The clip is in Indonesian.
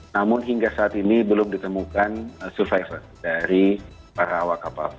namun hingga saat ini belum ditemukan survivor dari para awak kapal